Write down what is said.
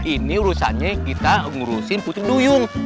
ini urusannya kita ngurusin putri duyung